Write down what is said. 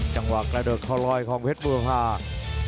จังหวักกระดกเขาลอยของเผ็ดพุรภาพ